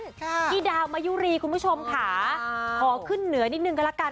พี่ดาวมายุรีคุณผู้ชมค่ะขอขึ้นเหนือนิดนึงก็ละกัน